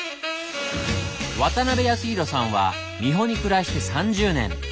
渡邊康弘さんは三保に暮らして３０年。